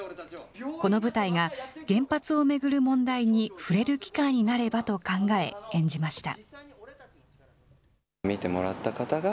この舞台が、原発を巡る問題に触れる機会になればと考え演じました。